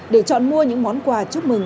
để chọn mua những món quà chúc mừng